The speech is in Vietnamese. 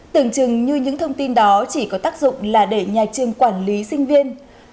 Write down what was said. tưởng chừng như những thông tin đó chỉ có tác dụng là để nhà trường quản lý sinh viên